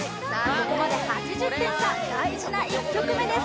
ここまで８０点差大事な１曲目です